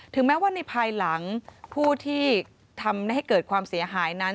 แม้ว่าในภายหลังผู้ที่ทำให้เกิดความเสียหายนั้น